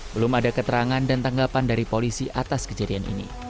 belum ada keterangan dan tanggapan dari polisi atas kejadian ini